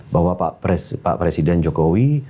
bahwa pak presiden jokowi